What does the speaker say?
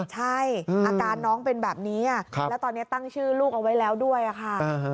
ใช่อาการน้องเป็นแบบนี้แล้วตอนนี้ตั้งชื่อลูกเอาไว้แล้วด้วยค่ะ